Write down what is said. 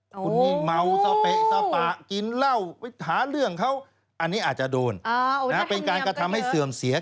คุณยิ่งเมาสเปะสปะกินเหล้าหาเรื่องเขาอันนี้อาจจะโดนเป็นการกระทำให้เสื่อมเสีย